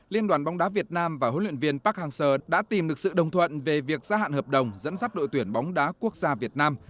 liên đoàn bóng đá việt nam và huấn luyện viên park hang seo đã tìm được sự đồng thuận về việc gia hạn hợp đồng dẫn dắp đội tuyển bóng đá quốc gia việt nam